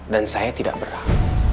dan saya tidak berang